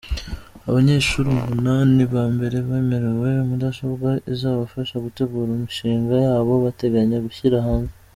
Abanyeshuri umunani ba mbere bemerewe mudasobwa izabafasha gutegura imishinga yabo bateganya gushyira hanze.